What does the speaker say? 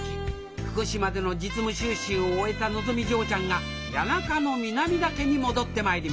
福島での実務修習を終えたのぞみ嬢ちゃんが谷中の南田家に戻ってまいります